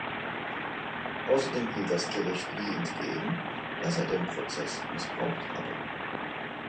Außerdem hielt das Gericht Lee entgegen, dass er den Prozess missbraucht habe.